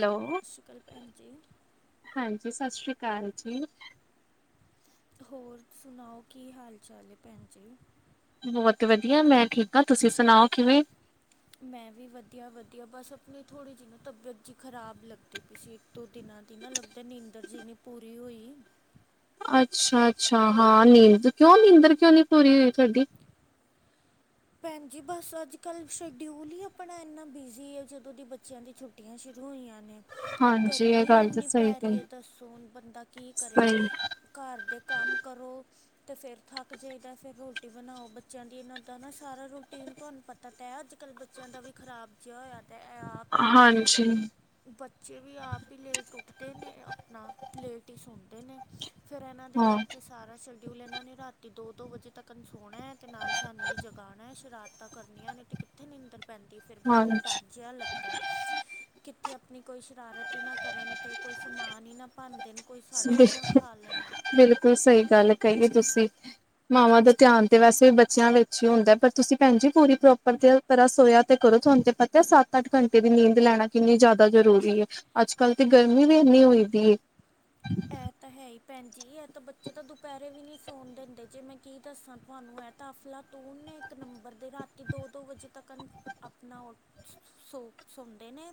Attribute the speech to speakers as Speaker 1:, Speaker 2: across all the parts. Speaker 1: Hello
Speaker 2: ਸਤਿ ਸ਼੍ਰੀ ਅਕਾਲ ਭੈਣ ਜੀ
Speaker 1: ਹਾਂਜੀ ਸਤਿ ਸ਼੍ਰੀ ਅਕਾਲ। ਕਾਲ ਜੀ।
Speaker 2: ਹੋਰ ਸੁਣਾਓ ਕੀ ਹਾਲ ਚਾਲ ਭੈਣ ਜੀ।
Speaker 1: ਬਹੁਤ ਵਧੀਆ ਮੈਂ ਠੀਕ ਹਾਂ ਤੁਸੀਂ ਸੁਣਾਓ ਕਿਵੇਂ?
Speaker 2: ਮੈਂ ਵੀ ਵਧੀਆ, ਵਧੀਆ ਬਸ ਆਪਣੀ ਥੋੜ੍ਹੀ ਜਿਹੀ ਨਾ ਤਬੀਅਤ ਜਿਹੀ ਖ਼ਰਾਬ ਲੱਗਦੀ ਪਈ ਸੀ ਇੱਕ ਦੋ ਦਿਨਾਂ ਦੀ ਨਾ ਲੱਗਦੇ ਨੀਂਦਰ ਜਿਹੀ ਨਹੀਂਪੂਰੀ ਹੋਈ।
Speaker 1: ਅੱਛਾ! ਅੱਛਾ ਹਾਂ ਨੀਂਦ ਕਿਉਂ ਨੀਂਦਰ ਕਿਉਂ ਨੀ ਪੂਰੀ ਹੋਈ ਤੁਹਾਡੀ?
Speaker 2: ਭੈਣ ਜੀ ਬਸ ਅੱਜ ਕੱਲ ਸ਼ਡਿਊਲ ਹੀ ਆਪਣਾ ਇੰਨਾ ਬਿਜ਼ੀ ਆ ਜਦੋਂ ਦੀ ਬੱਚਿਆਂ ਦੀ ਛੁੱਟੀਆਂ ਸ਼ੁਰੂ ਹੋਈਆਂ।
Speaker 1: ਹਾਂਜੀ ਇਹ
Speaker 2: ਗਰਮੀ
Speaker 1: ਗੱਲ ਤਾਂ
Speaker 2: ਇੰਨੀ
Speaker 1: ਸਹੀ
Speaker 2: ਪੈ ਰਹੀ
Speaker 1: ਕਹੀ
Speaker 2: ਹੈ। ਦੱਸੋ ਬੰਦਾ ਕੀ ਕਰੇ
Speaker 1: ਸਹੀ
Speaker 2: ਘਰ ਦੇ ਕੰਮ ਕਰੋ ਅਤੇ ਫਿਰ ਥੱਕ ਜਾਈਦਾ ਫਿਰ ਰੋਟੀ ਬਣਾਓ ਬੱਚਿਆਂ ਦੀ ਇਹਨਾਂ ਦਾ ਨਾ ਸਾਰਾ ਰੂਟੀਨ ਤੁਹਾਨੂੰ ਪਤਾ ਤਾਂ ਹੈ ਅੱਜ ਕੱਲ੍ਹ ਬੱਚਿਆਂ ਦਾ ਵੀ ਖਰਾਬ ਜਿਹਾ ਹੋਇਆ ਆਪ ਹੀ
Speaker 1: ਹਾਂਜੀ
Speaker 2: ਬੱਚੇ ਵੀ ਆਪ ਹੀ ਲੇਟ ਉੱਠਦੇ ਨੇ ਆਪਣਾ ਲੇਟ ਹੀ ਸੌਂਦੇ ਨੇ ਫੇਰ ਇਹਨਾਂ ਦੇ
Speaker 1: ਹਾਂ
Speaker 2: ਕਰਕੇ ਸਾਰਾ ਸਿਲ ਕਿਉਂਕਿ ਇਹਨਾਂ ਨੇ ਰਾਤੀ ਦੋ ਦੋ ਵਜੇ ਤੱਕ ਨਾ ਸੋਣਾ ਤੇ ਨਾਲ ਸਾਨੂੰ ਵੀ ਜਗਾਣਾ ਸ਼ਰਾਰਤਾਂ ਕਰਨੀਆਂ ਨੇ ਤੇ ਕਿੱਥੇ ਨੀਂਦਰ ਪੈਂਦੀ ਫਿਰ ਬੰਦੇ ਨੂੰ ਡਰ
Speaker 1: ਹਾਂਜੀ
Speaker 2: ਜਿਹਾ ਲੱਗਦਾ ਕਿੱਥੇ ਆਪਣੀ ਕੋਈ ਸ਼ਰਾਰਤ ਹੀ ਨਾ ਕਰਨ ਅਤੇ ਕੋਈ ਸਮਾਨ ਹੀ ਨਾ ਭੰਨ੍ਹਦੇ
Speaker 1: ਬਿਲਕੁਲ ਸਹੀ ਗੱਲ ਕਹੀਏ ਤੁਸੀਂ ਮਾਵਾਂ ਦਾ ਧਿਆਨ ਤੇ ਵੈਸੇ ਬੱਚਿਆਂ ਵਿੱਚ ਹੀ ਹੁੰਦਾ ਪਰ ਤੁਸੀਂ ਭੈਣ ਜੀ ਪੂਰੀ ਪ੍ਰੋਪਰ ਤਰ੍ਹਾਂ ਸੋਇਆ ਤੇ ਕਰੋ ਤੁਹਾਨੂੰ ਤੇ ਪਤਾ ਸੱਤ ਅੱਠ ਘੰਟੇ ਦੀ ਨੀਂਦ ਲੈਣਾ ਕਿੰਨੀ ਜ਼ਿਆਦਾ ਜ਼ਰੂਰੀ ਹੈ ਅੱਜ ਕੱਲ੍ਹ ਤੇ ਗਰਮੀ ਵੀ ਇੰਨੀ ਹੋਈ ਦੀ ਹੈ
Speaker 2: ਇਹ ਤਾਂ ਹੈ ਹੀ ਭੈਣ ਜੀ ਇਹ ਤਾਂ ਬੱਚੇ ਤਾਂ ਦੁਪਹਿਰੇ ਵੀ ਨਹੀਂ ਸੌਣ ਦਿੰਦੇ ਜੇ ਮੈਂ ਕੀ ਦੱਸਾਂ ਤੁਹਾਨੂੰ ਹੈ ਤਾਂ ਅਫਲਾ ਤੁਨ ਇੱਕ ਨੰਬਰ ਦੇ ਰਾਤੀ ਦੋ ਦੋ ਵਜੇ ਤੱਕ ਆਪਣਾ ਸੋ ਸੌ ਦੇ ਨੇ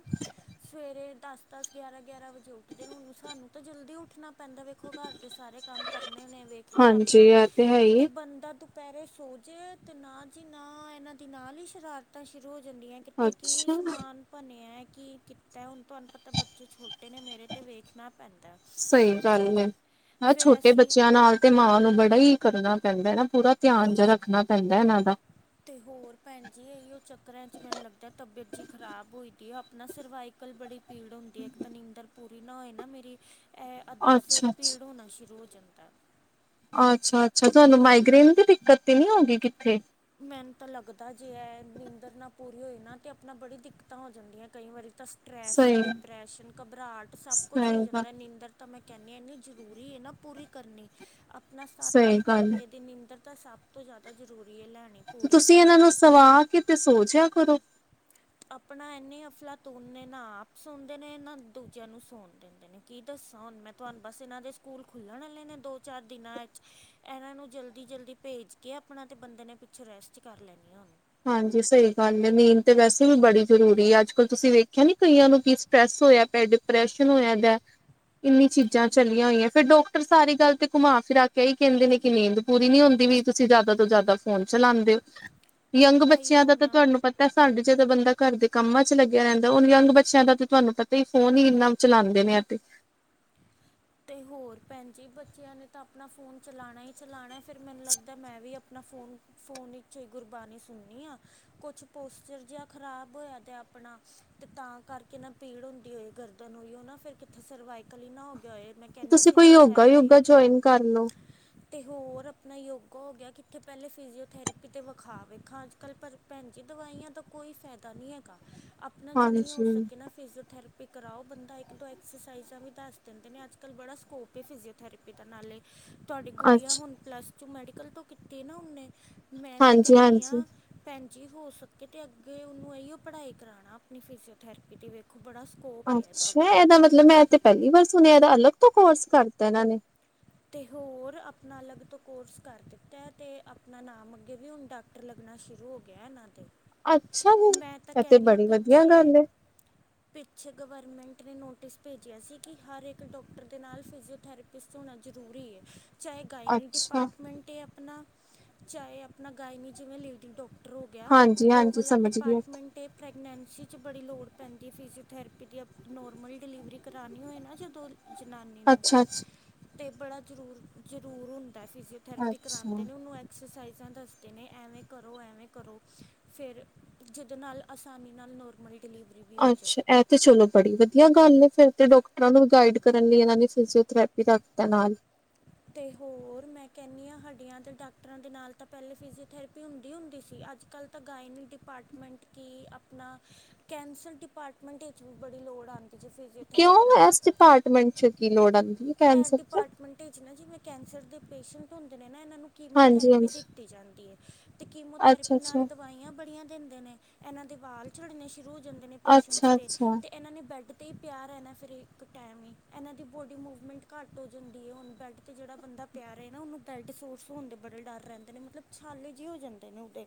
Speaker 2: ਸਵੇਰੇ [unintelligible] ਦਸ ਦਸ ਗਿਆਰਾਂ ਗਿਆਰਾਂ ਵਜੇ ਉੱਠਦੇ ਨੇ ਹੁਣ ਸਾਨੂੰ ਤਾਂ ਜਲਦੀ ਉੱਠ ਉੱਠਣਾ ਪੈਂਦਾ ਵੇਖੋ ਘਰ ਦੇ ਸਾਰੇ ਕੰਮ ਕਰਨੇ ਨੇ ਵੇਖਣਾ
Speaker 1: ਹਾਂਜੀ
Speaker 2: ਆਪਣਾ
Speaker 1: ਇਹ ਹੈ ਹੀ ਹੈ।
Speaker 2: ਤੇ ਬੰਦਾ ਦੁਪਹਿਰੇ ਸੋਜੇ ਤੇ ਨਾ ਜੀ ਨਾ ਇਹਨਾਂ ਦੀ ਨਾਲ ਹੀ ਸ਼ਰਾਰਤਾਂ ਸ਼ੁਰੂ ਹੋ ਜਾਂਦੀਆਂ ਕਿੱਥੇ ਕੀ
Speaker 1: ਅੱਛਾ
Speaker 2: ਸਮਾਨ ਭਣਿਆ ਕੀ ਕੀਤਾ ਹੁਣ ਤੁਹਾਨੂੰ ਪਤਾ ਬੱਚੇ ਛੋਟੇ ਨੇ ਮੇਰੇ ਤੇ ਵੇਖਣਾ ਪੈ
Speaker 1: ਸਹੀ ਗੱਲ ਹੈ ਹੈ
Speaker 2: ਫਿਰ
Speaker 1: ਛੋਟੇ
Speaker 2: ਅਸੀਂ
Speaker 1: ਬੱਚਿਆਂ ਨਾਲ ਤੇ ਮਾਂ ਨੂੰ ਬੜਾ ਹੀ ਕਰਨਾ ਪੈਂਦਾ ਹੈ ਨਾ ਪੂਰਾ ਧਿਆਨ ਜੇ ਰੱਖਣਾ ਪੈਂਦਾ ਇਹਨਾਂ ਦਾ
Speaker 2: ਅਤੇ ਹੋਰ ਭੈਣ ਜੀ ਇਹੀਓ ਚੱਕਰਾਂ 'ਚ ਮੈਨੂੰ ਲੱਗਦਾ ਤਬੀਅਤ ਜਿਹੀ ਖ਼ਰਾਬ ਹੋਈ ਦੀ ਹੈ ਆਪਣਾ ਸਰਵਾਈਕਲ ਬੜੀ ਪੀੜ ਹੁੰਦੀ ਹੈ ਇੱਕ ਤਾਂ ਨੀਂਦਰ ਪੂਰੀ ਨਾ ਹੋਏ ਨਾ ਮੇਰੀ ਇਹ ਅੱਧਾ ਸਿਰ
Speaker 1: ਅੱਛਾ ਅੱਛਾ
Speaker 2: ਪੀੜ ਹੋਣਾ ਸ਼ੁਰੂ ਹੋ [inaudible]
Speaker 1: ਅੱਛਾ ਅੱਛਾ ਤੁਹਾਨੂੰ ਮਾਈਗ੍ਰੇਨ ਦੀ ਦਿੱਕਤ ਤੇ ਨਹੀਂ ਹੋ ਗਈ ਕਿੱਥੇ
Speaker 2: ਮੈਨੂੰ ਤਾਂ ਲੱਗਦਾ ਜੇ ਇਹ ਨੀਂਦਰ ਨਾ ਪੂਰੀ ਹੋਈ ਨਾ ਤੇ ਆਪਣਾ ਬੜੀ ਦਿੱਕਤਾਂ ਹੋ ਜਾਂਦੀਆਂ ਕਈ ਵਾਰੀ ਤਾਂ ਸਟਰੈੱਸ
Speaker 1: ਸਹੀ
Speaker 2: ਡਿਪਰੈਸ਼ਨ ਘਬਰਾਹਟ ਸਭ ਕੁਛ ਹੋ
Speaker 1: ਸਹੀ ਗੱਲ
Speaker 2: ਜਾਂਦਾ ਨੀਦਰ ਤਾਂ ਮੈਂ ਕਹਿਣੇ ਆ ਨਾ ਜ਼ਰੂਰੀ ਆ ਨਾ ਪੂਰੀ ਕਰਨੀ ਆਪ ਆਪਣਾ ਸੱਤ
Speaker 1: ਸਹੀ
Speaker 2: ਅੱਠ
Speaker 1: ਗੱਲ ਹੈ,
Speaker 2: ਘੰਟੇ ਦੇ ਨਿਦਰ ਤਾਂ ਸਭ ਤੋਂ ਜ਼ਿਆਦਾ ਜ਼ਰੂਰੀ ਹੈ ਲ
Speaker 1: ਤੁਸੀਂ ਇਹਨਾਂ ਨੂੰ ਸਵਾ ਕੇ ਤੇ ਸੋਜਿਆ ਕਦੋ
Speaker 2: ਆਪਣਾ ਇਨੇ ਅਫਲਾ ਤੋਨ ਨੇ ਨਾ ਆਪ ਸੁਣਦੇ ਨੇ ਨਾ ਦੂਜਿਆਂ ਨੂੰ ਸਣ ਦਿੰਦੇ ਨੇ ਕੀ ਦੱਸਾਂ ਹੁਣ ਮੈਂ ਤੁਹਾਨੂੰ ਬਸ ਇਹਨਾਂ ਦੇ ਸਕੂਲ ਖੁੱਲਣ ਵਾਲੇ ਨੇ ਦੋ ਚਾਰ ਦਿਨਾਂ ਵਿੱਚ ਇਹਨਾਂ ਨੂੰ ਜਲਦੀ ਜਲਦੀ ਭੇਜ ਕੇ ਆਪਣਾ ਤੇ ਬੰਦੇ ਨੇ ਪਿੱਛੇ ਰੈਸਟ ਕਰ ਲੈਣੀ ਆ
Speaker 1: ਹਾਂਜੀ ਸਹੀ ਗੱਲ ਹੈ ਨੀਂਦ ਤਾਂ ਵੈਸੇ ਵੀ ਬੜੀ ਜ਼ਰੂਰੀ ਹੈ ਅੱਜ ਕੱਲ੍ਹ ਤੁਸੀਂ ਵੇਖਿਆ ਨੀ ਕਈਆਂ ਨੂੰ ਕੀ ਸਟਰ੍ਰੈੱਸ ਹੋਇਆ ਪਏ ਡਿਪਰੈਸ਼ਨ ਹੋਇਆ ਦਾ ਇੰਨੀ ਚੀਜ਼ਾਂ ਚੱਲੀਆਂ ਹੋਈਆਂ ਫਿਰ ਡਾਕਟਰ ਸਾਰੀ ਗੱਲ ਤੇ ਘੁਮਾ ਫਿਰਾ ਕੇ ਇ ਹੀ ਕਹਿੰਦੇ ਨੇ ਕਿ ਨੀਂਦ ਪੂਰੀ ਨਹੀਂ ਹੁੰਦੀ ਵੀ ਤੁਸੀਂ ਜ਼ਿਆਦਾ ਤੋਂ ਜ਼ਿਆਦਾ ਫੋਨ ਚਲਾਉਂਦੇ ਹੋ। ਯੰਗ
Speaker 2: ਇਹੀ
Speaker 1: ਬੱਚਿਆਂ ਦਾ
Speaker 2: ਉਹ
Speaker 1: ਤਾਂ
Speaker 2: ਨਾ
Speaker 1: ਤੁਹਾਨੂੰ ਪਤਾ ਸਾਡੇ ਜਦੋਂ ਬੰਦਾ ਘਰਦੇ ਕੰਮਾਂ ਚ ਲੱਗਿਆ ਰਹਿੰਦਾ ਉਹ ਯੰਗ ਬੱਚਿਆਂ ਦਾ ਤੇ ਤੁਹਾਨੂੰ ਪਤਾ ਹੀ ਫੋਨ ਹੀ ਇੰਨਾ ਚਲਾਉਂਦੇ ਨੇ ਅਤੇ
Speaker 2: ਤੇ ਹੋਰ ਭੈਣ ਜੀ ਬੱਚਿਆਂ ਨੇ ਤਾਂ ਆਪਣਾ ਫੋਨ ਚਲਾਉਣਾ ਹੀ ਚਲਾਉਣਾ ਫਿਰ ਮੈਨੂੰ ਲੱਗਦਾ ਮੈਂ ਵੀ ਆਪਣਾ ਫੋਨ ਫੋਨ ਵਿੱਚ ਹੀ ਗੁਰਬਾਣੀ ਸੁਣਨੀ ਹਾਂ ਕੁਛ ਪੋਸਚਰ ਜਿਹਾ ਖ਼ਰਾਬ ਹੋਇਆ ਤੇ ਆਪਣਾ ਤੇ ਤਾਂ ਕਰਕੇ ਨਾ ਪੀੜ ਹੁੰਦੀ ਹੋਈ ਗਰਦਨ ਹੋਈ ਉਹ ਨਾ ਫਿਰ ਕਿੱਥੇ ਸਰਵਾਈਕਲ ਹੀ ਨਾ ਹੋ ਗਿਆ ਹੋਏ ਮੈਂ ਕਹਿੰਦੀ ਹਾਂ
Speaker 1: ਤੁਸੀਂ ਕੋਈ ਯੋਗਾ
Speaker 2: ਫਿਜ਼ੀਓਥੈਰੇਪੀ
Speaker 1: ਯੋਗਾ ਜੁਆਇਨ ਕਰ ਲਓ।
Speaker 2: ਅਤੇ ਹੋਰ ਆਪਣਾ ਯੋਗਾ ਹੋ ਗਿਆ ਕਿੱਥੇ ਪਹਿਲੇ ਫਿਜੀਓਥੈਰੇਪੀ 'ਤੇ ਵਿਖਾ ਵੇਖਾਂ ਅੱਜ ਕੱਲ੍ਹ ਪਰ ਭੈਣ ਜੀ ਦਵਾਈਆਂ ਦਾ ਕੋਈ ਫਾਇਦਾ ਨਹੀਂ ਹੈਗਾ ਆਪਣਾ ਜਿੰਨੀ ਹੋ
Speaker 1: ਹਾਂਜੀ
Speaker 2: ਸਕੇ ਨਾ ਫਿਜ਼ੀਓਥੈਰੇਪੀ ਕਰਾਓ ਬੰਦਾ ਇੱਕ ਦੋ ਐਕਸਰਸਾਈਜ਼ਾਂ ਵੀ ਦੱਸਦਾ ਦਿੰਦੇ ਨੇ ਅੱਜ ਕੱਲ ਬੜਾ ਸਕੋਪ ਹੈ ਫਿਜੀਓਥੈਰੇਪੀ ਦਾ ਨਾਲੇ ਤੁਹਾਡੀ ਗੁੜੀਆ
Speaker 1: ਅੱਛਾ
Speaker 2: ਹੁਣ ਪਲੱਸ ਟੂ ਮੈਡੀਕਲ ਤੋਂ ਕੀਤੇ ਨਾ ਉਹਨੇ ਮੈਂ ਤਾਂ
Speaker 1: ਹਾਂਜੀ
Speaker 2: ਕਹਿੰਦੀ ਹਾਂ
Speaker 1: ਹਾਂਜੀ
Speaker 2: ਭੈਣ ਜੀ ਹੋ ਸਕੇ ਤੇ ਅੱਗੇ ਉਹਨੂੰ ਇਹੀਓ ਪੜ੍ਹਾਈ ਕਰਾਉਣਾ ਆਪਣੀ ਫਿਜੀਓਥੈਰੇਪੀ ਦੀ ਵੇਖੋ ਬੜਾ ਸਕੋਪ ਹੈ
Speaker 1: ਅੱਛਾ
Speaker 2: ਅੱਗੇ
Speaker 1: ਇਹਦਾ ਮਤਲਬ ਮੈਂ ਤੇ ਪਹਿਲੀ ਵਾਰ ਸੁਣਿਆ ਦਾ ਅਲੱਗ ਤੋਂ ਕੋਰਸ ਕਰਤਾ ਇਹਨਾਂ ਨੇ
Speaker 2: ਤੇ ਹੋਰ ਆਪਣਾ ਅਲੱਗ ਤੋਂ ਕੋਰਸ ਕਰ ਦਿੱਤਾ ਤੇ ਆਪਣਾ ਨਾਮ ਅੱਗੇ ਵੀ ਹੁਣ ਡਾਕਟਰ ਲੱਗਣਾ ਸ਼ੁਰੂ ਹੋ ਗਿਆ ਇਹਨਾਂ ਦੇ
Speaker 1: ਅੱਛਾ ਜੀ
Speaker 2: ਮੈਂ ਤਾਂ
Speaker 1: ਇਹ ਤੇ
Speaker 2: ਕਹਿਣੀ ਹਾਂ
Speaker 1: ਬੜੀ ਵਧੀਆ
Speaker 2: ਪਿੱਛੇ
Speaker 1: ਗੱਲ ਹੈ
Speaker 2: ਪਿੱਛੇ ਗਵਰਮੈਂਟ ਨੇ ਨੋਟਿਸ ਭੇਜਿਆ ਸੀ ਕਿ ਹਰ ਇੱਕ ਡਾਕਟਰ ਦੇ ਨਾਲ ਫਿਜ਼ੀਓਥੈਰੇਪਿਸਟ ਹੋਣਾ ਜ਼ਰੂਰੀ ਹੈ। ਚਾਹੇ ਗਾਇਨੀਿੰਗ
Speaker 1: ਅੱਛਾ
Speaker 2: ਡਿਪਾਰਟਮੈਂਟ ਆਪਣਾ ਚਾਹੇ ਆਪਣਾ ਗਾਇਨੀ ਜਿਵੇਂ ਲੇਡੀ ਡਾਕਟਰ ਹੋ ਗਿਆ
Speaker 1: ਹਾਂਜੀ
Speaker 2: ਉਹ
Speaker 1: ਹਾਂਜੀ
Speaker 2: ਵਾਲਾ
Speaker 1: ਸਮਝ ਗਈ
Speaker 2: ਡਿਪਾਰਟਮੈਂਟ ਇਹ ਪ੍ਰੈਗਨੈਂਸੀ 'ਚ ਬੜੀ ਲੋੜ ਪੈਂਦੀ ਫਿਜ਼ੀਓਥੈਰੇਪੀ ਦੀ ਆਪ ਨੋਰਮਲ ਡਿਲੀਵਰੀ ਕਰਾਉਣੀ ਹੋਏ ਨਾ ਜਦੋਂ ਜਨਾਨੀ ਨੂੰ
Speaker 1: ਅੱਛਾ ਅੱਛਾ
Speaker 2: ਤੇ ਬੜਾ ਜ਼ਰੂਰ ਜ਼ਰੂਰ ਹੁੰਦਾ। ਫਿਜ਼ਓਥੈਰੇਪ
Speaker 1: ਅੱਛਾ।
Speaker 2: ਕਰਉਂਦੇ ਨੇ ਉਹਨੂੰ ਐਕਸਰਸਾਈਜ਼ ਦੱਸਦੇ ਨੇ ਐਵੇਂ ਕਰੋ ਐਵੇਂ ਕਰੋ ਫਿਰ ਜਿਹਦੇ ਨਾਲ ਆਸਾਨੀ ਨਾਲ ਨੋਰਮਲੀ
Speaker 1: ਅੱਛਾ ਇਹ ਤੇ ਚਲੋ ਬੜੀ ਵਧੀਆ ਗੱਲ ਫੇਰ ਤੇ ਡਾਕਟਰਾਂ ਨੂੰ ਗਾਈਡ ਕਰਨ ਲਈ ਇਹਨਾਂ ਨੇ ਫਿਜ਼ਓਥਰੇਪੀ ਰਖਤਾ ਨਾਲ
Speaker 2: ਤੇ ਹੋਰ ਮੈਂ ਕਹਿੰਦੀ ਹਾਂ ਹਡੀਆਂ ਅਤੇ ਡਾਕਟਰਾਂ ਦੇ ਨਾਲ ਤਾਂ ਪਹਿਲੇ ਫਿਜੀਓਥੈਰੇਪੀ ਹੁੰਦੀ ਹੁੰਦੀ ਸੀ ਅੱਜ ਕੱਲ੍ਹ ਤਾਂ ਗਾਇਨੀ ਡਿਪਾਰਟਮੈਂਟ ਕੀ ਆਪਣਾ ਕੈਂਸਰ ਡਿਪਾਰਟਮੈਂਟ ਵਿੱਚ ਵੀ ਬੜੀ ਲੋੜ ਆਉਂਦੀ ਜੇ ਫਿਜ਼ੀਓਥੈਰੇਪੀ
Speaker 1: ਕਿਉਂ
Speaker 2: ਦੀ
Speaker 1: ਇਸ ਡਿਪਾਰਟਮੈਂਟ ਚ ਕੀ ਲੋੜ ਆਉਂਦੀ ਹੈ।
Speaker 2: ਡਿਪਾਰਟਮੈਂਟ ਚ ਨਾ ਜਿਵੇੈਂ ਕਹਿੰਦੇ ਕੈਂਸਰ ਦੇ ਪੇਸ਼ੈਂਟ ਹੁੰਦੇ ਨੇ ਇਹਨਾਂ ਨੂੰ
Speaker 1: ਹਾਂਜੀ
Speaker 2: ਕੀਮੋਥੈਰੇਪੀ
Speaker 1: ਹਾਂਜੀ।
Speaker 2: ਦਿੱਤੀ ਜਾਂਦੀ ਹੈ ਤੇ
Speaker 1: ਅੱਛਾ
Speaker 2: ਕੀਮੋਥੈਰੇਪੀ
Speaker 1: ਅੱਛਾ
Speaker 2: ਨਾਲ ਦਵਾਈਆਂ ਬੜੀਆਂ ਦਿੰਦੇ ਨੇ ਇਹਨਾਂ ਦੇ ਵਾਲ ਝੜਨੇ ਸ਼ੁਰੂ, ਜਾਂਦੇ ਨੇ ਪੇਸ਼ੈਂਟਸ
Speaker 1: ਅੱਛਾ
Speaker 2: ਤੇ
Speaker 1: ਅੱਛਾ
Speaker 2: ਤੇ ਇਹਨਾਂ ਨੇ ਬੈੱਡ, ਤੇ ਹੀ ਪਿਆਰ ਹੈ ਇਹਨਾਂ ਫਿਰ ਇੱਕ ਟਾਈਮ ਹੀ ਇਹਨਾਂ ਦੀ ਬੋਡੀ ਮੂਵ ਮਿੰਟ ਘੱਟ ਹੋ ਜਾਂਦੀ ਹੈ ਹਨ ਬੈਡ 'ਤੇ ਜਿਹੜਾ ਬੰਦਾ ਪਿਆ ਹੈ ਨਾ ਉਹਨੂੰ ਬੈੱਡ ਸੋਰਸ ਹੋਣ ਦੇ ਬੜੇ ਡਰ ਰਹਿੰਦੇ ਨੇ ਮਤਲਬ ਛਾਲੇ ਜਿਹੇ ਹੋ ਜਾਂਦੇ।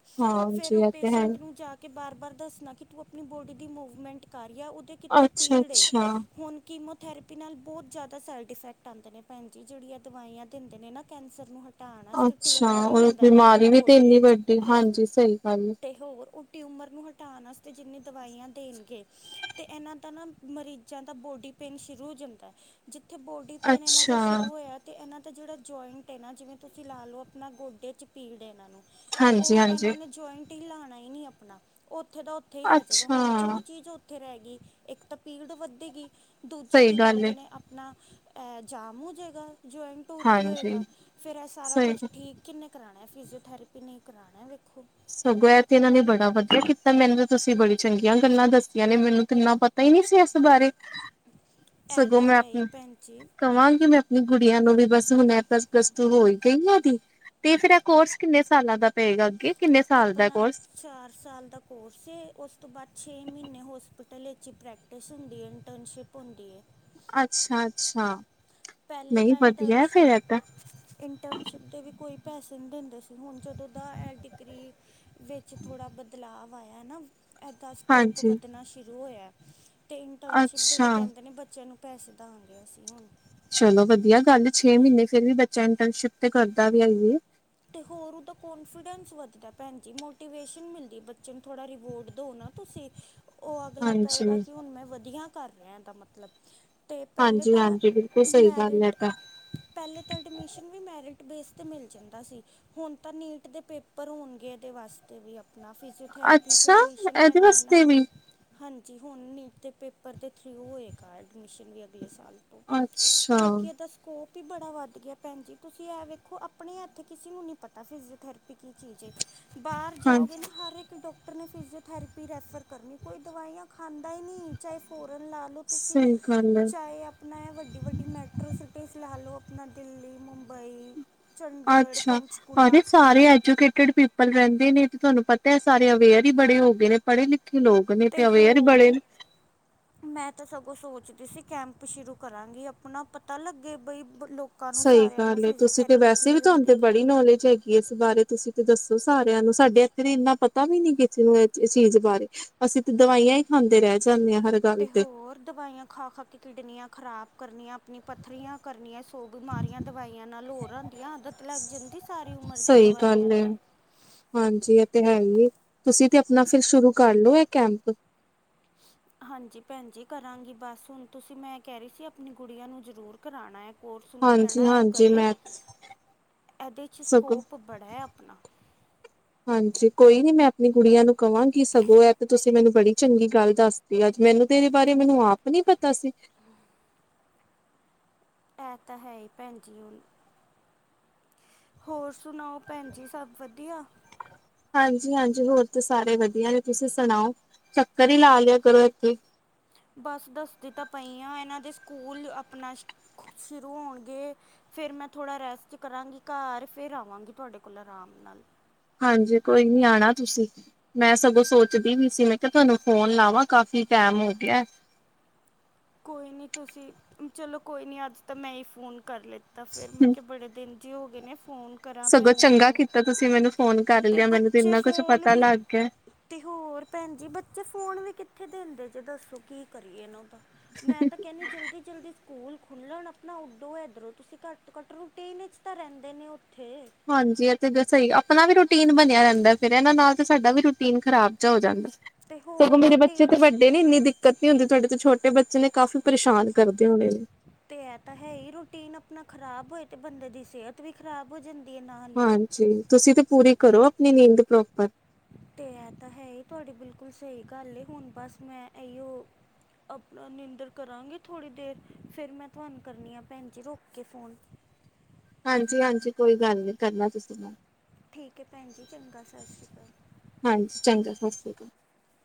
Speaker 2: ਫੇਰ
Speaker 1: ਹਾਂਜੀ
Speaker 2: ਉਹ
Speaker 1: ਇਹ ਤੇ ਹੈ।
Speaker 2: ਪੇਸ਼ੈਂਟ
Speaker 1: ਈ।
Speaker 2: ਨੂੰ ਜਾ ਕੇ ਬਾਰ, ਬਾਰ ਦੱਸਣਾ ਕਿ ਤੂੰ ਆਪਣੀ ਬੋਡੀ ਦੀ ਮੂਵਮੈਂਟ ਕਰ। ਜਾਂ ਉਹਦੇ ਕਿੱਥੇ
Speaker 1: ਅੱਛਾ
Speaker 2: ਪੀੜ
Speaker 1: ਅੱਛਾ
Speaker 2: ਹੁਣ ਕੀਮਤ ਥੈਰੇਪੀ ਨਾਲ ਬਹੁਤ ਜ਼ਿਆਦਾ ਸ ਇਫੈਕਟ ਆਦੇ ਨੇ ਭੈਣ ਜਿਹੜੀਆਂ ਦਵਾਈਆਂ ਦਿੰਦੇ ਨੇ ਨਾ ਕੈਂਸਰ ਨੂੰ ਹਟਾਉਣ ਵਾਸਤੇ
Speaker 1: ਅੱਛਾ
Speaker 2: ਟਿਊਮਰ ਹੀ
Speaker 1: ਰ
Speaker 2: ਹੁੰਦਾ ਨਾ
Speaker 1: ਬਿਮਾਰੀ
Speaker 2: ਆਪਣਾ
Speaker 1: ਵੀ ਤੇ
Speaker 2: ਬੋਡੀ
Speaker 1: ਇੰਨੀ
Speaker 2: ਵਿੱਚ
Speaker 1: ਵੱਡੀ ਹਾਂਜੀ ਸਹੀ ਗੱਲ ਐ,
Speaker 2: ਤੇ ਹੋਰ ਉਹ ਟਿਊਮਰ ਨੂੰ ਹਟਾਣ ਵਾਸਤੇ ਜਿੰਨੀ ਦਵਾਈਆਂ ਦੇਣਗੇ ਅਤੇ ਇਹਨਾਂ ਦਾ ਨਾ ਮਰੀਜ਼ਾਂ ਦਾ ਬੋਡੀ ਪੇਨ ਸ਼ੁਰੂ ਹੋ ਜਾਂਦਾ ਜਿੱ ਇੱਥੇ ਬੋਡੀ ਪੇਨ ਇਹਨਾਂ ਦਾ
Speaker 1: ਅੱਛਾ
Speaker 2: ਸ਼ੁਰੂ ਹੋਇਆ ਤੇ ਇਹਨਾਂ ਅਤੇ ਜਿਹੜਾ ਜੁਆਇੰਟ ਹੈ ਨਾ ਜਿਵੇਂ ਤੁਸੀਂ ਲਾ ਲਓ ਆਪਣਾ ਗੋਡੇ 'ਚ ਪੀੜ ਇਹਨਾਂ ਨੂੰ, ਤੇ
Speaker 1: ਹਾਂਜੀ
Speaker 2: ਉਹ ਇਹਨਾਂ
Speaker 1: ਹਾਂਜੀ
Speaker 2: ਨੇ ਜੁਆਇੰਟ ਟੀ ਲਾਣਾ ਹੀ ਨੀ ਆਪਣਾ ਉੱਥੇ ਤਾਂ ਉੱਥੇ ਹੀ ਰਹਿ ਜਾਗਾ
Speaker 1: ਅੱਛਾ
Speaker 2: ਹੁਣ ਜੋ ਚੀਜ਼ ਉੱਥੇ ਰਹਿ ਗਈ ਇੱਕ ਤਾਂ ਪੀੜ ਵੱਧੇਗੀ। ਦੂਜਾ
Speaker 1: ਸਹੀ
Speaker 2: ਕੀ
Speaker 1: ਗੱਲ
Speaker 2: ਕਹਿੰਦੇ
Speaker 1: ਏ।
Speaker 2: ਨੇ ਆਪਣਾ, ਜਾਮੂ ਜ ਜਆਇਨ ਟੂਰ ਕੀ
Speaker 1: ਹਾਂਜੀ
Speaker 2: ਹੋਏਗਾ ਫਿਰ ਇਹ ਸਾਰਾ
Speaker 1: ਸਹੀ
Speaker 2: ਕੁਛ ਠੀਕ ਕਿੰਨੇ ਕੁ ਕਰਾਣਾ ਫਿਜ਼ਓਥੈਰੇਪੀ ਨਹੀਂ ਕਰਾਉ,
Speaker 1: ਸਗੋਂ ਇਹ ਤੇ ਇਹਨਾਂ ਨੇ ਬੜਾ ਵਧੀਆ ਕੀਤਾ। ਮੈਨੂੰ ਤਾਂ ਤੁਸੀਂ ਬੜੀ ਚੰਗੀਆਂ ਗੱਲਾਂ ਦੱਸੀਆਂ ਨੇ ਮੈਨੂੰ ਤਾ ਇਨਾ ਪਤਾ ਹੀ ਨੀ ਸੀ ਇਸ ਬਾਰੇ,
Speaker 2: ਇਹ
Speaker 1: ਸਗੋਂ
Speaker 2: ਤਾਂ
Speaker 1: ਮੈਂ
Speaker 2: ਹੈ ਹੀ
Speaker 1: ਆਪਣੇ
Speaker 2: ਭੈਣ ਜੀ
Speaker 1: ਕਮਾਗੀ ਮੈਂ, ਕੁੜੀਆਂ ਨੂੰ ਵੀ ਬਸ ਹੁਣ ਇਹ ਪਲੱਸ ਪਲੱਸ ਟੂ ਹੋ ਹੀ ਗਈ ਆਦੀ ਤੇ ਫੇਰ ਇਹ ਕੋਰਸ ਕਿੰਨੇ ਸਾਲਾਂ ਦਾ ਪਏਗਾ ਅੱਗੇ। ਕਿੰਨੇ ਸਾਲ ਦਾ
Speaker 2: ਆਪਣਾ
Speaker 1: ਕੋਰਸ
Speaker 2: ਚਾਰ ਸਾਲ ਦਾ ਕੋਰਸ ਉਸ ਤੋਂ ਬਾਅਦ ਛੇ ਮਹੀਨੇ ਹੋਸਪਿਟ ਟਲੇ ਪ੍ਰੈਕਟਿਸ ਹੁੰਦੀ ਹੈ ਇੰਟਰਨਸ਼ਿਪ ਹੁੰਦੀ ਐ।
Speaker 1: ਅੱਛਾ-ਅੱਛਾ,
Speaker 2: ਪਹਿਲੇ ਤਾਂ ਇੰਟਰਨਸ਼ਿਪ-ਇੰਟਰਨਸ਼ਿਪ ਦੇ ਵੀ ਕੋਈ, ਪੈਸੇ ਨਹੀਂ ਦਿੰਦੇ ਸੀ ਹੁਣ ਜਦੋਂ ਦਾ ਐ ਡਿਗਰੀ ਵਿੱਚ ਥੋੜ੍ਹਾ ਬਦਲਾਵ ਆਇਆ ਨਾ, ਇੱਦਾਂ ਸਕੋਪ
Speaker 1: ਹਾਂਜੀ
Speaker 2: ਵਧਣਾ ਸ਼ੁਰੂ ਹੋਇਆ। ਅਤੇ ਇੰਟਰਨਸ਼ਿਪ ਦੇ ਵੀ
Speaker 1: ਅੱਛਾ
Speaker 2: ਕਹਿੰਦੇ ਨੇ ਬੱਚਿਆਂ ਨੂੰ, ਪੈਸੇ ਦੇਵਾਂਗੇ ਅਸੀਂ ਹੁਣ,
Speaker 1: ਚਲੋ ਵਧੀਆ ਗੱਲ ਛੇ ਮਹੀਨੇ ਫੇਰ ਵੀ ਬੱਚਾ ਇੰਟਰਨਸ਼ਿਪ ਤੇ ਕਰਦਾ ਵੀ ਐ।
Speaker 2: ਅਤੇ ਹੋਰ ਉਹਦਾ ਕੋਂਨਫੀਡੈਂਸ ਵੱਧਦਾ ਭੈਣ ਜੀ ਮੋਟੀਵੇਸ਼ਨ ਮਿਲਦੀ ਬੱਚੇ ਨੂੰ ਥੋੜ੍ਹਾ ਰਿਵੋਡ ਦਿਓ ਨਾ ਤੁਸੀਂ ਉਹ
Speaker 1: ਹਾਂਜੀ
Speaker 2: ਕਰ ਲ਼ਿਆ ਦਾ ਮਤਲਬ ਅਤੇ ਪਹਿਲੇ
Speaker 1: ਹਾਂਜੀ
Speaker 2: ਤਾਂ
Speaker 1: ਹਾਂਜੀ ਬਿਲਕੁਲ ਸਹੀ ਗੱਲ ਹੈ
Speaker 2: ਮੈਰਿਟ
Speaker 1: ਤਾਂ
Speaker 2: ਪਹਿਲੇ ਤਾਂ ਐਡਮਮੀਸ਼ਨ ਵੀ ਮੈਰਿਟ ਬੇਸ ਤੇ ਮਿਲ ਜਾਂਦਾ ਸੀ ਹੁਣ ਤਾਂ ਨੀਟ ਦੇ ਪੇਪਰ ਹੋਣਗੇ ਇਹਦੇ ਵਾਸਤੇ ਵੀ ਆਪਣਾ ਫਿਜ਼ਓਥੈਰੇਪੀ ਚ
Speaker 1: ਅੱਛਾ
Speaker 2: ਐਡਮਿਸ਼ਨ
Speaker 1: ਇਹਦੇ
Speaker 2: ਲੈਣਾ ਹੋਏ ਨਾ
Speaker 1: ਵਾਸਤੇ ਵੀ
Speaker 2: ਹਾਂਜੀ ਹੁਣ ਨੀਟ ਦੇ ਪੇਪਰ ਦੇ ਥਰੂ ਹੋਏਗਾ ਐਡਮਿਸ਼ਨ ਵੀ ਅਗਲੇ ਸਾਲ
Speaker 1: ਅੱਛਾ
Speaker 2: ਵੀ ਬੜਾ ਵੱਧ ਗਿਆ ਭੈਣਜੀ ਤੁਸੀਂ ਇਹ ਵੇਖੋ ਆਪਣੇ ਹੱਥ ਕਿਸੇ ਨੂੰ ਨਹੀਂ ਪਤਾ ਫਿਜ਼ਓਥੈਰੇਪੀ ਕੀ ਚੀਜ਼ ਹੈ ਬਾਹਰ ਜਾਓਗੇ
Speaker 1: ਹਾਂਜੀ
Speaker 2: ਨਾ ਹਰ ਇੱਕ ਡ ਫਿਜ਼ੀਓਥਰਪੀ ਰੈਫਰ ਕਰਨੋਂ ਕੋਈ ਦਵਾਈਆਂ ਖਾਂਦਾ ਨੀ ਚਾਹੇ ਲਾ ਲਓ ਤੁਸੀਂ
Speaker 1: ਸਹੀ ਗੱਲ ਹੈ
Speaker 2: ਚਾਹੇ ਆਪਣਾ ਵੱਡੀ ਵੱਡੀ ਮੈਟਰੋ ਸਿਟੀਜ਼ ਲਾ ਲਓ ਦਿੱਲੀ ਮੁੰਬਈ ਚੰਡੀਗੜ੍ਹ
Speaker 1: ਅ
Speaker 2: ਪੰਚਕੂਲਾ
Speaker 1: ਸਾਰੇ ਐਜੂਕੇਟਡ ਪੀਪਲ ਰਹਿੰਦੇ ਨੇ ਤੁਹਾਨੂੰ ਪਤਾ ਹੈ ਸਾਰੇ ਅਵੇਅਰ ਹੀ ਬੜੇ ਹੋ ਗਏ ਨੇ ਪੜ੍ਹੇ ਲਿਖੇ ਲੋਕ ਨੇ ਤੇ ਅਵੇਅਰ ਬੜੇ ਨੇ
Speaker 2: ਉਹ ਸੋਚਦੀ ਸੀ ਕੈਂਪ ਸ਼ੁਰੂ ਕਰਾਂਗੀ ਆਪਣਾ ਪਤਾ ਲੱਗੇ ਬਈ ਬ- ਲੋਕਾਂ ਨੂੰ
Speaker 1: ਸਹੀ
Speaker 2: ਸਾਰਿਆਂ ਨੂੰ
Speaker 1: ਗੱਲ ਏ ਤੁਸੀਂ ਤੇ
Speaker 2: ਫਿਜ਼ੀਓਥੈਰੇਪੀ
Speaker 1: ਵੈਸੇ ਵੀ
Speaker 2: ਕੀ
Speaker 1: ਤੁਹਾਨੂੰ
Speaker 2: ਹੁੰਦੀ
Speaker 1: ਤੇ
Speaker 2: ਕੀ
Speaker 1: ਬੜੀ
Speaker 2: ਨਹੀਂ
Speaker 1: ਨੌਲੇਜ ਹੈਗੀ ਇਸ ਬਾਰੇ ਤੁਸੀਂ ਤੇ ਦੱਸੋ ਸਾਰਿਆਂ ਨੂੰ ਸਾਡੇ ਇੱਥੇ ਨੇ ਇੰਨਾ ਪਤਾ ਵੀ ਨੀ ਕਿਸੇ ਨੂੰ ਇਹ ਚੀਜ਼ ਬਾਰੇ ਅਸੀਂ ਤੇ ਦਵਾਈਆਂ ਹੀ ਖਾਂਦੇ ਰਹਿ ਜਾਂਦੇ ਹਾਂ ਹਰ ਗੱਲ
Speaker 2: ਤੇ ਹੋਰ ਦਵਾਈਆਂ ਖਾ ਖਾ ਕੇ ਕਿਡਨੀਆਂ ਖ਼ਰਾਬ ਕਰਨੀਆਂ ਆਪਣੀ ਪੱਥਰੀਆਂ ਕਰਨੀਆਂ ਹੋਰ ਬਿਮਾਰੀਆਂ ਦਵਾਈਆਂ ਨਾਲ ਹੋਰ ਆਉਂਦੀਆਂ ਆਦਤ ਲੱਗ ਜਾਂਦੀ ਸਾਰੀ ਉਮਰ ਦੀ
Speaker 1: ਸਹੀ
Speaker 2: ਦਵਾਈਆਂ
Speaker 1: ਗੱਲ ਹੈ
Speaker 2: ਦਾ
Speaker 1: ਹਾਂਜੀ ਇਹ ਤੇ ਹੈ ਹੀ ਏ। ਤੁਸੀਂ ਤੇ ਆਪਣਾ ਫਿਰ ਸ਼ੁਰੂ ਕਰਲਓ ਇਹ ਕੈਂਪ
Speaker 2: ਹਾਂਜੀ ਭੈਣ ਜੀ ਕਰਾਂਗੀ ਬਸ ਹੁਣ ਤੁਸੀਂ ਮੈਂ ਕਹਿ ਰਹੀ ਸੀ ਆਪਣੀ ਗੁਡੀਆ ਨੂੰ ਜਰੂਰ ਕਰਾਣਾ ਐ ਕੋਰਸ ਨੂੰ
Speaker 1: ਹਾਂਜੀ
Speaker 2: ਕਹਿਣਾ ਹੈ
Speaker 1: ਹਾਂਜੀ
Speaker 2: ਕਰੇ
Speaker 1: ਮੈਂ
Speaker 2: ਇਹਦੇ ਚ
Speaker 1: ਸਗੋਂ
Speaker 2: ਸਕੋਪ ਬੜਾ ਹੈ ਆਪਣਾ
Speaker 1: ਹਾਂਜੀ ਕੋਈ ਨੀ ਮੈਂ ਆਪਣੀ ਗੁਡੀਆ ਨੂੰ ਕਹਾਂਗੀ ਸਗੋਂ ਐ ਤੇ ਤੁਸੀਂ ਮੈਨੂੰ ਬੜੀ ਚੰਗੀ ਗੱਲ ਦੱਸਤੀ ਅੱਜ ਮੈਨੂੰ ਤੇ ਇਹਦੇ ਬਾਰੇ ਮੈਨੂੰ ਆਪ ਨੀ ਪਤਾ ਸੀ
Speaker 2: ਇਹ ਤਾਂ ਹੈ ਹੀ ਭੈਣ ਜੀ ਹੁਣ ਹੋਰ ਸੁਣਾਓ ਭੈਣ ਜੀ ਸਭ ਵਧੀਆ
Speaker 1: ਹਾਂਜੀ ਹਾਂਜੀ ਹੋਰ ਤੇ ਸਾਰੇ ਵਧੀਆ ਨੇ ਤੁਸੀਂ ਸੁਣਾਓ ਚੱਕਰ ਹੀ ਲਾ ਲਿਆ ਕਰੋ ਇੱਥੇ
Speaker 2: ਬਸ ਦੱਸਦੀ ਤਾਂ ਪਈ ਆ ਇਹਨਾਂ ਦੇ ਸਕੂਲ ਆਪਣਾ ਸ਼ੁਰੂ ਹੋਣਗੇ ਫੇਰ ਮੈਂ ਥੋੜਾ ਰੈਸਟ ਕਰਾਂਗੀ ਘਰ ਫ਼ਿਰ ਆਵਾਂਗੀ ਤੁਹਾਡੇ ਕੋਲ ਆਰਾਮ ਨਾਲ
Speaker 1: ਹਾਂਜੀ ਕੋਈ ਨੀ ਆਣਾ ਤੁਸੀਂ ਮੈਂ ਸਗੋਂ ਸੋਚਦੀ ਵੀ ਸੀ ਮੈਂ ਕਿਹਾ ਤੁਹਾਨੂੰ ਫੋਨ ਲਾਵਾਂ ਕਾਫੀ ਟੈਮ ਹੋ ਗਿਆ
Speaker 2: ਕੋਈ ਨੀ ਤੁਸੀਂ ਚਲੋ ਕੋਈ ਨੀ ਅੱਜ ਤਾਂ ਮੈਂ ਹੀ ਫੋਨ ਕਰ ਲਿੱਤਾ ਫਿਰ ਮੈਂ ਕਿਹਾ ਬੜੇ ਦਿਨ ਜੀ ਹੋ ਗਏ ਨੇ। ਫੋਨ ਕਰਾਂ
Speaker 1: ਸਗੋਂ
Speaker 2: ਭੈਣ ਜੀ
Speaker 1: ਚੰਗਾ
Speaker 2: ਨੂੰ
Speaker 1: ਕੀਤਾ ਤੁਸੀਂ ਮੈਨੂੰ ਫੋਨ ਕਰ
Speaker 2: ਤੇ
Speaker 1: ਲਿਆ ਮੈਨੂੰ
Speaker 2: ਬੱਚੇ
Speaker 1: ਇੰਨਾ ਕੁਛ
Speaker 2: ਫੋਨ
Speaker 1: ਪਤਾ
Speaker 2: ਵੀ
Speaker 1: ਲੱਗ ਗਿਆ
Speaker 2: ਤੇ ਹੋਰ ਭੈਣ ਜੀ ਬੱਚੇ ਫੋਨ ਵੀ ਤੇ ਕਿੱਥੇ ਦਿੰਦੇ ਦੱਸੋ ਕੀ ਕਰੀਏ ਉਹਦਾ ਮੈਂ ਤਾਂ ਕਹਿੰਦੀ ਜਲਦੀ ਜਲਦੀ ਸਕੂਲ ਖੁੱਲਣ ਆਪਣਾ ਉੱਡੋ ਇੱਧਰੋਂ ਤੁਸੀਂ ਘੱਟ ਤੋਂ ਘੱਟ ਰੂਟੀਨ ਚ ਤਾਂ ਰਹਿੰਦੇ ਨੀ ਓ।
Speaker 1: ਹਾਂਜੀ ਇਹ ਸਹੀ ਆਪਣਾ ਵੀ ਰੂਟੀਨ ਬਣਿਆ ਰਹਿੰਦਾ ਫੇਰ ਇਹਨਾਂ ਨਾਲ ਤੇ ਸਾਡਾ ਵੀ ਰੂਟੀਨ ਖਰਾਬ ਜਾ ਹੋ ਜਾਂਦਾ।
Speaker 2: ਤੇ
Speaker 1: ਸਗੋਂ
Speaker 2: ਹੋਰ
Speaker 1: ਮੇਰੇ ਬੱਚੇ ਤੇ
Speaker 2: ਰੂਟੀਨ
Speaker 1: ਵੱਡੇ ਨੇ ਇੰਨੀ ਦਿੱਕਤ ਨੀ ਹੁੰਦੀ ਤੁਹਾਡੇ ਛੋਟੇ ਬੱਚੇ ਨੇ ਕਾਫੀ
Speaker 2: ਤੇ ਇਹ ਤਾਂ ਹੈ ਹੀ ਰੂਟੀਨ ਆਪਣਾ ਖ਼ਰਾਬ ਹੋਏ ਤੇ ਬੰਦੇ ਦੀ ਸਿਹਤ ਵੀ ਖ਼ਰਾਬ ਹੋ ਜਾਂਦੀ। ਹੈ ਨਾਲ ਹੀ
Speaker 1: ਹਾਂਜੀ ਤੁਸੀਂ ਤੇ ਪੂਰੀ ਕਰੋ ਆਪਣੀ ਨੀਂਦ ਪ੍ਰੋਪਰ
Speaker 2: ਤੇ ਇਹ ਤਾਂ ਹੈ ਹੀ ਤੁਹਾਡੀ ਬਿਲਕੁਲ ਸਹੀ ਗੱਲ ਹੁਣ ਬਸ ਮੈਂ ਇਹੀਓ ਆਪਣਾ ਨਿੰਦਰ ਕਰਾਂਗੀ ਥੋੜ੍ਹੀ ਦੇਰ ਫਿਰ ਮੈਂ ਤੁਹਾਨੂੰ ਕਰਨੀ ਆ ਭੈਣ ਜੀ ਰੋਕ ਕੇ ਫੋਨ
Speaker 1: ਹਾਂਜੀ ਹਾਂਜੀ ਕੋਈ ਗੱਲ ਨੀ ਕਰਨਾ ਤੁਸੀਂ ਮੈ
Speaker 2: ਠੀਕ ਹੈ ਭੈਣ ਜੀ ਚੰਗਾ ਸਤਿ ਸ਼੍ਰੀ ਅਕਾਲ।
Speaker 1: ਹਾਂਜੀ ਚੰਗਾ [inaudible]